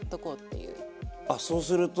あそうすると。